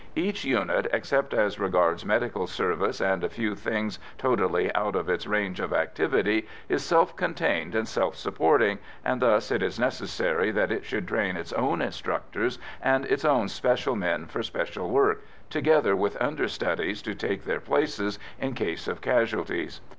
Each unit, except as regards medical service and a few things totally out of its range of activity, is self contained and self supporting, and thus it is necessary that it should train its own instructors and its own special men for special work, together with understudies to take their places in case of casualties.